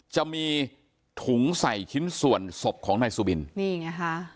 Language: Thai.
จะมีถุงใส่ชิ้นส่วนศพของนายสุบินนี่ไงฮะ